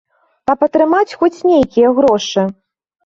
Каб атрымаць хоць нейкія грошы.